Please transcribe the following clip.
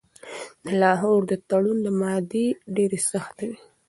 د لاهور د تړون مادې ډیرې سختې وې.